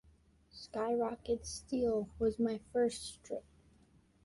'Skyrocket Steele' was my first strip.